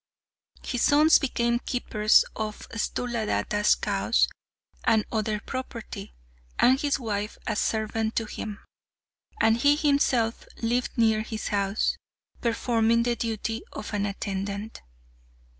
His sons became keepers of Sthuladatta's cows and other property, and his wife a servant to him, and he himself lived near his house, performing the duty of an attendant.